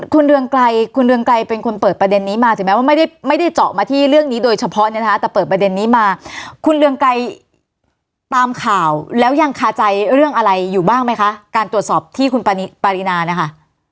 คุณเรืองไกรคุณเรืองไกรเป็นคนเปิดประเด็นนี้มาถึงแม้ว่าไม่ได้เจาะมาที่เรื่องนี้โดยเฉพาะเนี่ยนะคะแต่เปิดประเด็นนี้มาคุณเรืองไกรตามข่าวแล้วยังคาใจเรื่องอะไรอยู่บ้างไหมคะการตรวจสอบที่คุณปารีนานะคะ